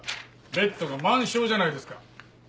ベッドが満床じゃないですか。